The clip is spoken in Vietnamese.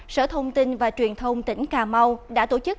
sở thông tin và truyền thông tỉnh cà mau đã tổ chức